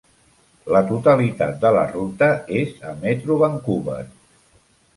La totalitat de la ruta és a Metro Vancouver.